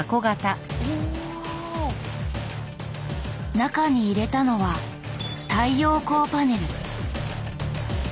中に入れたのは太陽光パネル。